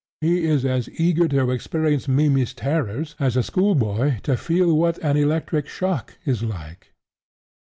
He is as eager to experience Mimmy's terrors as a schoolboy to feel what an electric shock is like.